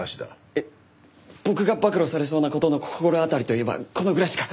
えっ僕が暴露されそうな事の心当たりといえばこのぐらいしか。